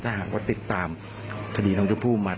ถ้าหากว่าติดตามคดีทางเจ้าผู้มา